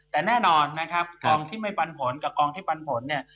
แต่แน่นอนนะครับกองที่ไม่ปันผลกับกองที่ปันผลเนี่ย